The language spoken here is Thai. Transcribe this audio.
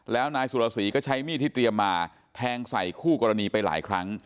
แล้วนายสุรสีก็ใช้มีดที่เตรียมมาแทงใส่คู่กรณีไปหลายครั้ง